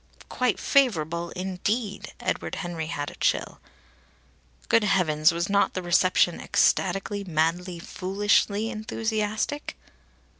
"Quite favourable," indeed! Edward Henry had a chill. Good heavens, was not the reception ecstatically, madly, foolishly enthusiastic?